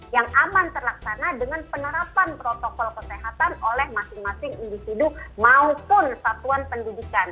yang aman terlaksana dengan penerapan protokol kesehatan oleh masing masing individu maupun satuan pendidikan